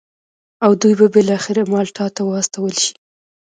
او دوی به بالاخره مالټا ته واستول شي.